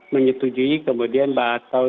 menyetujui kemudian atau